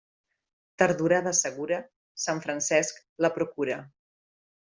Tardorada segura, Sant Francesc la procura.